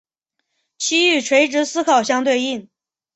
其与垂直思考相对应。